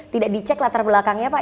tidak dicek latar belakangnya pak